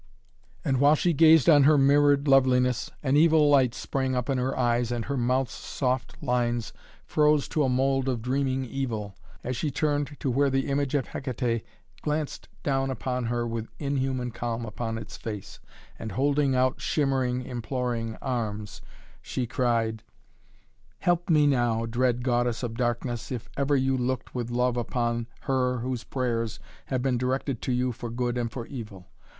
And while she gazed on her mirrored loveliness, an evil light sprang up in her eyes and all her mouth's soft lines froze to a mould of dreaming evil, as she turned to where the image of Hekaté gazed down upon her with inhuman calm upon its face, and, holding out shimmering, imploring arms, she cried: "Help me now, dread goddess of darkness, if ever you looked with love upon her whose prayers have been directed to you for good and for evil.